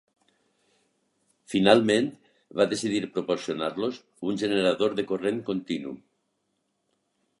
Finalment va decidir proporcionar-los un generador de corrent continu.